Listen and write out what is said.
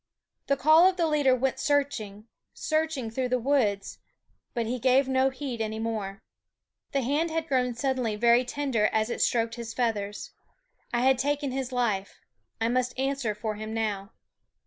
The call of the leader went searching, searching through the woods ; but he gave no heed any more. The hand had grown suddenly very tender as it stroked his feathers. I had taken his life; I must answer for him now.